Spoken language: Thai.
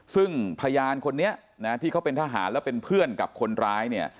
ซึ่งพยานคนนี้นะที่เขาเป็นทหารแล้วเป็นเพื่อนกับคนร้ายเนี่ย